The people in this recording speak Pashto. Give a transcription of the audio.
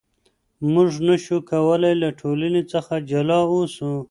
موږ نشو کولای له ټولنې څخه جلا اوسو.